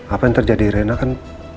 apa yang terjadi rena kan